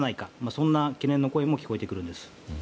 そんな懸念の声も聞こえてくるんです。